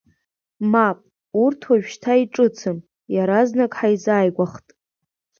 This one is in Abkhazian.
Мап, урҭ уажәшьҭа иҿыцым, иаразнак ҳаизааигәахт…